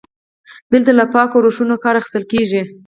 دلته له پاکو روشونو کار اخیستل کیږي.